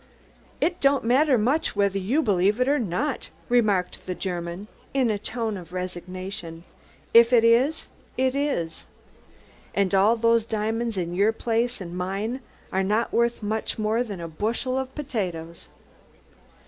"Id don'd madder much whedher you belief id or nod," remarked the German in a tone of resignation. "If id iss, id iss. Und all dose diamonds in your place und mine are nod worth much more by der bushel as potatoes."